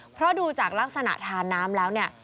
เพราะดูจากลักษณะทานน้ำแล้วเนี่ย